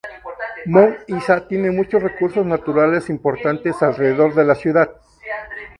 Mount Isa tiene muchos recursos naturales importantes alrededor de la ciudad.